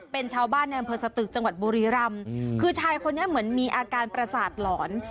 เป็นชาวบ้านในอำเภอสตึกจังหวัดบุรีรำคือชายคนนี้เหมือนมีอาการประสาทหลอน